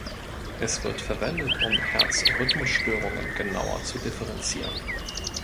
Es wird verwendet, um Herzrhythmusstörungen genauer zu differenzieren.